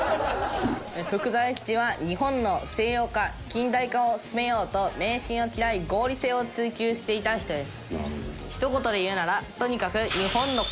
福沢諭吉は日本の西洋化近代化を進めようと迷信を嫌い合理性を追求していた人です。